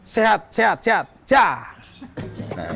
sehat sehat sehat sehat